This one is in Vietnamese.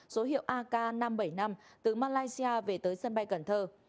số hiệu ak năm trăm bảy mươi năm từ malaysia về tới sân bay cần thơ